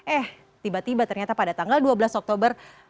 eh tiba tiba ternyata pada tanggal dua belas oktober